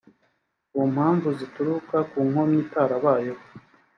ku mpamvu zituruka ku nkomyi itarabayeho